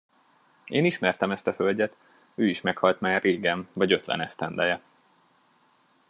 Én ismertem ezt a hölgyet, ő is meghalt már régen, vagy ötven esztendeje.